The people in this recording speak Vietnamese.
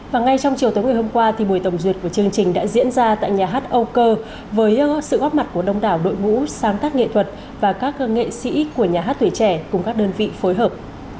và ngay trong chiều tối ngày hôm qua buổi tổng duyệt của chương trình đã diễn ra tại nhà hát âu cơ với sự góp mặt của đông đảo đội ngũ sáng tác nghệ thuật và các nghệ sĩ của nhà hát tuổi trẻ cùng các đơn vị phối hợp